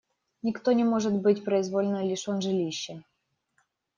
Никто не может быть произвольно лишен жилища.